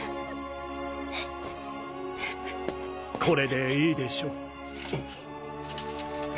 これでいいでしょう？